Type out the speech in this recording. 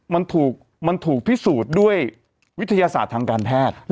มันถูกพิสูจน์ด้วยวิทยาศาสตร์ทางการแพทย์